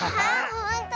ほんとだ。